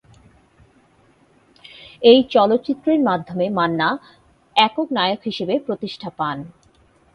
এই চলচ্চিত্রের মাধ্যমে মান্না একক নায়ক হিসেবে প্রতিষ্ঠা পান।